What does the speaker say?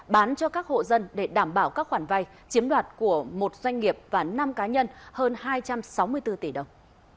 bán cho các hộ dân để đảm bảo các khoản vay chiếm đoạt của một doanh nghiệp và năm cá nhân hơn hai trăm sáu mươi bốn tỷ đồng